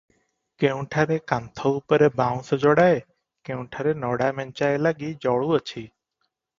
କେଉଁଠାରେ କାନ୍ଥ ଉପରେ ବାଉଁଶ ଯୋଡ଼ାଏ, କେଉଁଠାରେ ନଡ଼ା ମେଞ୍ଚାଏ ଲାଗି ଜଳୁଅଛି ।